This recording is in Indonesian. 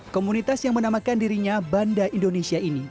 komunitas yang menamakan dirinya banda indonesia ini